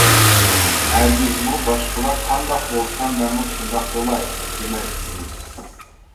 ھەرگىزمۇ باشقىلار قانداق بولسا مەنمۇ شۇنداق بولاي، دېمەسلىكىمىز.